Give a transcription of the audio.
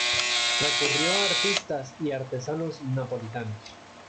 Recurrió a artistas y artesanos napolitanos.